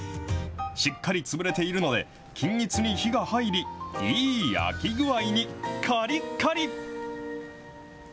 しっかり潰れているので、均一に火が入り、いい焼き具合に、かりっかり。